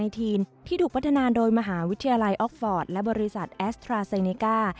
ที่ถูกพัฒนาโดยมหาวิทยาลัยออกฟอร์ตและบริษัทแอสตราเซเนก้า